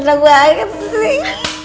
hahaha seru banget sih